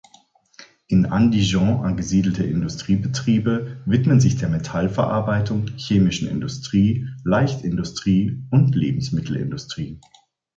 In Andijon angesiedelte Industriebetriebe widmen sich der Metallverarbeitung, chemischen Industrie, Leichtindustrie und Lebensmittelindustrie.